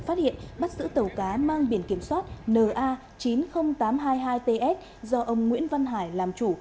phát hiện bắt giữ tàu cá mang biển kiểm soát na chín mươi nghìn tám trăm hai mươi hai ts do ông nguyễn văn hải làm chủ